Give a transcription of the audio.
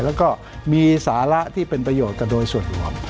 แล้วก็มีสาระที่เป็นประโยชน์กันโดยส่วนรวม